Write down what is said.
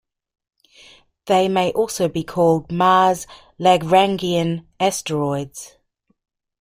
They may also be called Mars Lagrangian asteroids.